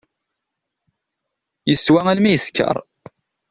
Yeswa almi yesker.